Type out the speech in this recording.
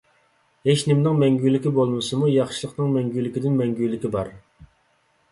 ھېچنىمىنىڭ مەڭگۈلۈكى بولمىسىمۇ ياخشىلىقنىڭ مەڭگۈلىكىدىن مەڭگۈلۈكى بار.